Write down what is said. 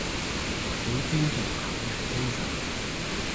請尊重合約精神